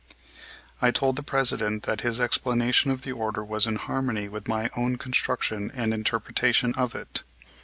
I told the President that his explanation of the order was in harmony with my own construction and interpretation of it.